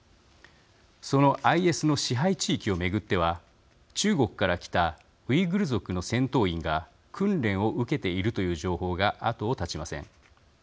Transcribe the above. そのＩＳの支配地域を巡っては中国から来たウイグル族の戦闘員が訓練を受けているという情報が後を絶ちません。